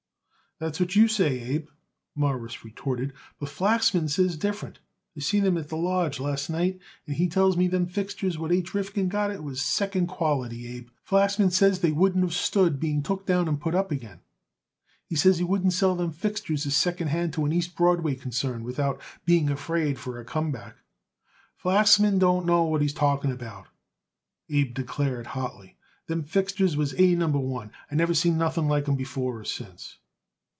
"That's what you say, Abe," Morris retorted, "but Flachsman says different. I seen him at the lodge last night, and he tells me them fixtures what H. Rifkin got it was second quality, Abe. Flachsman says they wouldn't of stood being took down and put up again. He says he wouldn't sell them fixtures as second hand to an East Broadway concern, without being afraid for a comeback." "Flachsman don't know what he's talking about," Abe declared hotly. "Them fixtures was A Number One. I never seen nothing like 'em before or since."